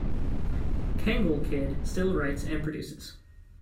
Kangol Kid still writes and produces.